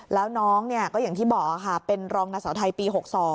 แล้วน้องก็อย่างที่บอกค่ะเป็นรองนางสาวไทยปี๖๒